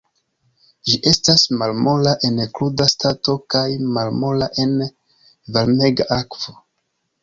Ĝi estas malmola en kruda stato kaj malmola en varmega akvo.